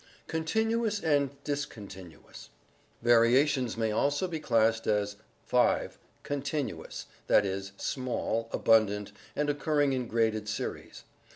Continuous and Discontinuous. — Variations may also be classed as (5) continuous, that is, small, abundant, and occurring in graded series.